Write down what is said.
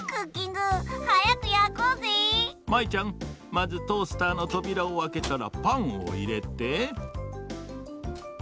まずトースターのとびらをあけたらパンをいれて。